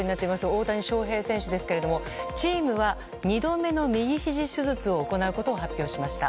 大谷翔平選手ですけれどもチームは、２度目の右ひじ手術を行うことを発表しました。